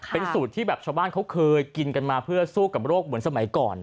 เป็นสูตรที่แบบชาวบ้านเขาเคยกินกันมาเพื่อสู้กับโรคเหมือนสมัยก่อน